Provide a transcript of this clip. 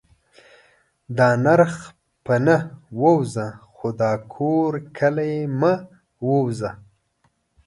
دا نرخ په نه. ووځه خو دا کور کلي مه ووځه